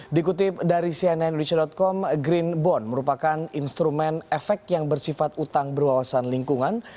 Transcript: dikutip dari cnn indonesia com green bond merupakan instrumen efek yang bersifat utang berwawasan lingkungan